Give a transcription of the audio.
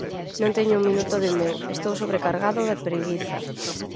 Non teño un minuto de meu, estou sobrecargado de preguiza.